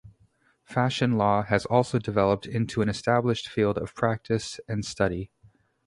Fashion law has also developed into an established field of practice and study.